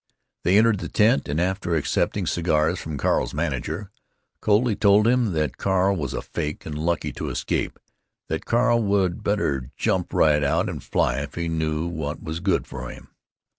They entered the tent and, after accepting cigars from Carl's manager, coldly told him that Carl was a fake, and lucky to escape; that Carl would better "jump right out and fly if he knew what was good for him."